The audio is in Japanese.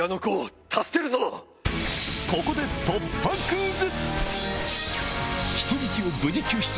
ここで突破クイズ！